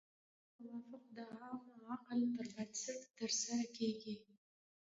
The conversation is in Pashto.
دا توافق د عام عقل پر بنسټ ترسره کیږي.